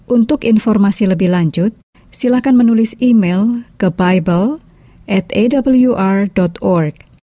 untuk informasi lebih lanjut silakan menulis email ke bible awr org